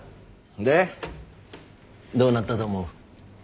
でどうなったと思う？